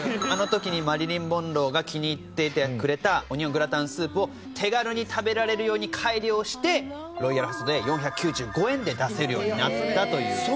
あの時にマリリン・モンローが気に入っていてくれたオニオングラタンスープを手軽に食べられるように改良してロイヤルホストで４９５円で出せるようになったという。